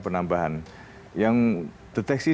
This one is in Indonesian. penambahan yang deteksi